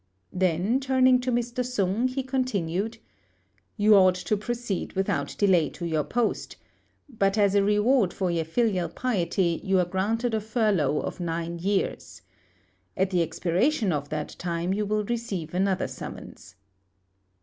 Then, turning to Mr. Sung, he continued, "You ought to proceed without delay to your post; but as a reward for your filial piety, you are granted a furlough of nine years. At the expiration of that time you will receive another summons."